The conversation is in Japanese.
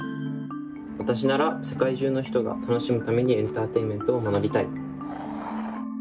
わたしなら世界中の人が楽しむためにエンターテインメントを学びたい。